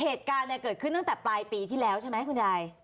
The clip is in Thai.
เหตุการณ์เกิดขึ้นตั้งแต่ปลายปีที่แล้วใช่ไหมคุณยาย